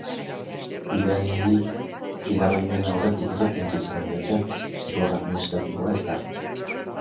Gidariari gidabaimena aurretik ere kendu izan diote, zigor administratiboa ezarrita.